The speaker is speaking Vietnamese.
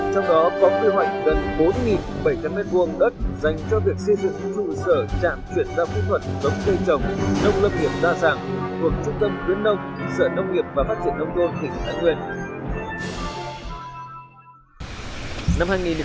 trong đó có quy hoạch gần bốn bảy trăm linh m hai đất dành cho việc xây dựng dụ sở trạm chuyển giao kỹ thuật tống cây trồng nông lập nghiệp đa dạng thuộc trung tâm tuyến nông sở nông nghiệp và phát triển nông thôn thành phố thái nguyên